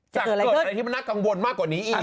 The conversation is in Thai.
จะเกิดอะไรที่มันน่ากังวลมากกว่านี้อีก